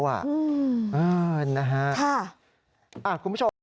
นะฮะคุณผู้ชม